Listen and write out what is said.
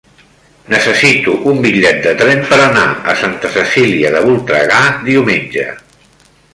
Necessito un bitllet de tren per anar a Santa Cecília de Voltregà diumenge.